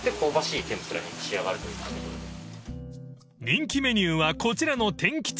［人気メニューはこちらの］